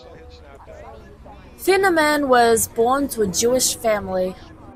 Finerman was born to a Jewish family.